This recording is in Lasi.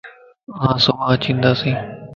آن صبان اچيندياس